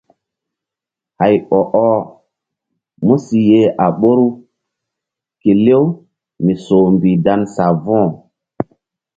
Hay ɔ-ɔh mu si yeh a ɓoru kelew mi soh mbih dan savo̧h.